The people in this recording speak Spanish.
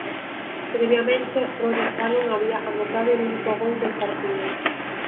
Previamente, Rory Fallon había anotado el único gol del partido.